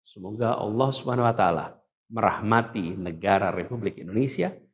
semoga allah swt merahmati negara republik indonesia